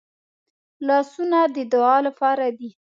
لاسونه د دعا لپاره دي